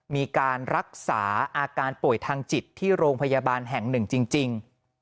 มีการรักษาอาการป่วยทางจิตที่โรงพยาบาลแห่งหนึ่งจริง